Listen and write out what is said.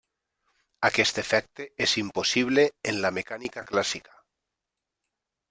Aquest efecte és impossible en la mecànica clàssica.